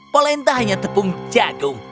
polenta hanya tepung jagung